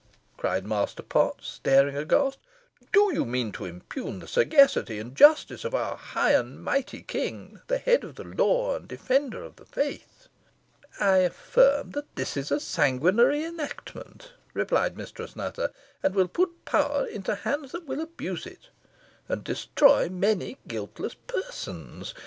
cried Master Potts, staring aghast. "Do you mean to impugn the sagacity and justice of our high and mighty king, the head of the law, and defender of the faith?" "I affirm that this is a sanguinary enactment," replied Mistress Nutter, "and will put power into hands that will abuse it, and destroy many guiltless persons.